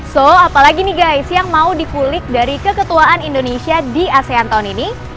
so apalagi nih guys yang mau dipulik dari keketuaan indonesia di asean tahun ini